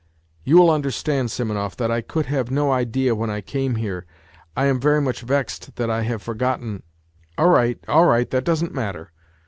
" You will understand, Simonov, that I could have no idea when I came here. ... I am very much vexed that I have forgotten. ..."" All right, all right, that doesn't matter.